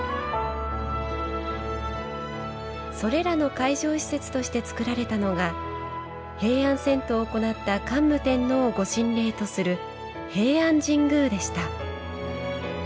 それらの会場施設として造られたのが平安遷都を行った桓武天皇を御神霊とする平安神宮でした。